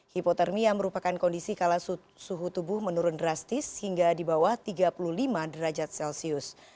hipotermia merupakan kondisi kala suhu tubuh menurun drastis hingga di bawah tiga puluh lima derajat celcius